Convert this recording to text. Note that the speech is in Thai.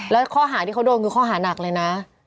แล้วข้อหาที่เขาโดนคือข้อหานักเลยนะ